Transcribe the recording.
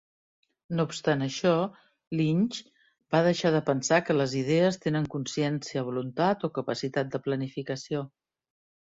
No obstant això, Lynch va deixar de pensar que les idees tenen consciència, voluntat o capacitat de planificació.